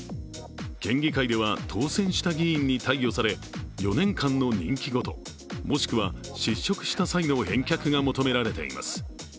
県議会では、当選した議員に貸与され４年間の任期ごと、もしくは失職した際の返却が求められています